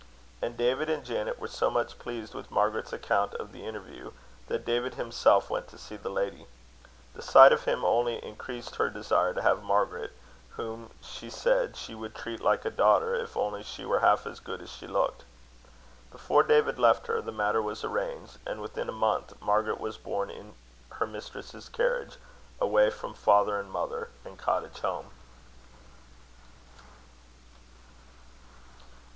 And David and Janet were so much pleased with Margaret's account of the interview, that David himself went to see the lady. The sight of him only increased her desire to have Margaret, whom she said she would treat like a daughter, if only she were half as good as she looked. Before David left her, the matter was arranged; and within a month, Margaret was borne in her mistress's carriage, away from father and mother and cottage home.